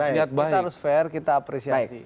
kita harus fair kita apresiasi